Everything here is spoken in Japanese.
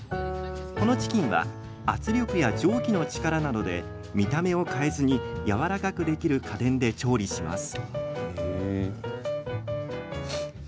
このチキンは圧力や蒸気の力などで見た目を変えずにやわらかくできる家電で調理します。